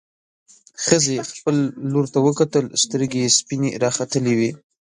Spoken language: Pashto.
ښځې خپلې لور ته وکتل، سترګې يې سپينې راختلې وې.